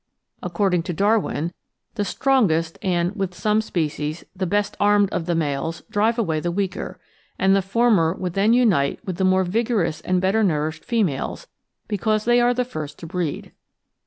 According to Darwin, "the strongest and, with some species, the best armed of the males drive away the weaker; and the former would then imite with the more vigorous and better nourished females, because they are the first to breed.